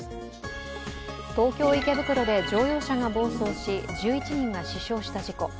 東京・池袋で乗用車が暴走し１１人が死傷した事故。